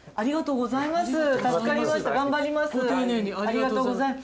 ご丁寧にありがとうございます。